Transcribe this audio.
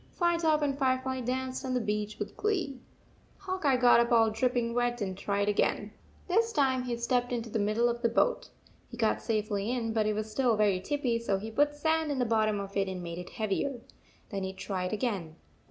Firetop and Firefly danced on the beach with glee. Hawk Eye got up all dripping wet and tried again. This time he stepped into the middle of the boat. He got safely in, but it was still very tippy, so he put sand in the bottom of it and made it heavier. Then he tried again.